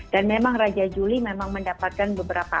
dan memang raja juli memang mendapatkan beberapa